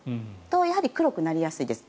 やはり黒くなりやすいです。